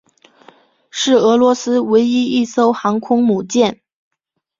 是俄罗斯唯一一艘航空母舰。